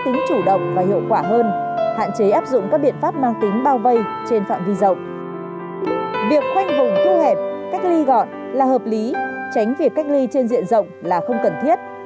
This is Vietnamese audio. việc khoanh vùng thu hẹp cách ly gọn là hợp lý tránh việc cách ly trên diện rộng là không cần thiết